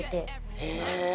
へぇ！